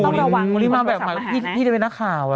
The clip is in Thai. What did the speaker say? หลวงแบบแหลงภาพที่เป็นนักข่าว